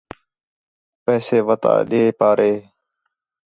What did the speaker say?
پیسے وَتا ݙے پارے